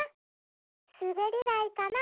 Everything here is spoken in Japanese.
すべりだいかな？